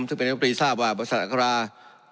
ซึ่งเป็นอุปรีตทราบว่าบริษัทอัครานั้น